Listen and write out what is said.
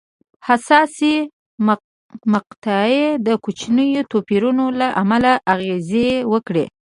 حساسې مقطعې د کوچنیو توپیرونو له امله اغېزې وکړې.